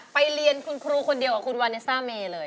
ไปเรียนคุณครูคนเดียวกับคุณวาเนซ่าเมเลย